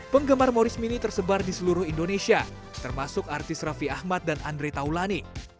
penggemar moris mini tersebar di seluruh indonesia termasuk artis raffi ahmad dan andre taulani